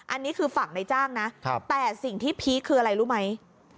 อันนี้คือฝั่งในจ้างนะแต่สิ่งที่พีคคืออะไรรู้ไหม